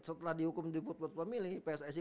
setelah dihukum di football family pssi